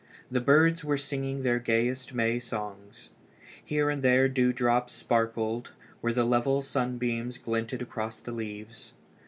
The birds were singing their gayest May songs. Here and there dewdrops sparkled, where the level sunbeams glinted across the leaves.